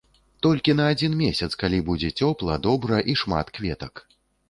Толькі на адзін месяц, калі будзе цёпла, добра і шмат кветак.